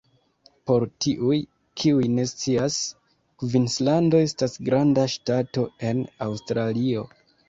Por tiuj, kiuj ne scias, Kvinslando estas granda ŝtato en Aŭstralio.